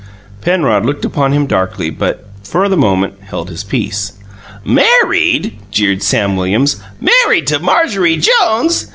Penrod looked upon him darkly, but, for the moment, held his peace. "Married!" jeered Sam Williams. "Married to Marjorie Jones!